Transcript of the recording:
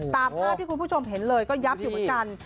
ตามภาพที่คุณผู้ชมเห็นเลยก็ยับอยู่เหมือนกัน